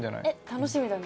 楽しみだね。